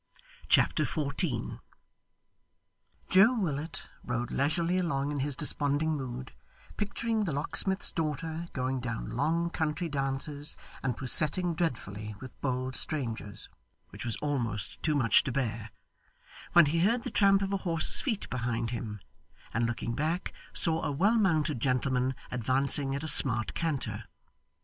Chapter 14 Joe Willet rode leisurely along in his desponding mood, picturing the locksmith's daughter going down long country dances, and poussetting dreadfully with bold strangers which was almost too much to bear when he heard the tramp of a horse's feet behind him, and looking back, saw a well mounted gentleman advancing at a smart canter.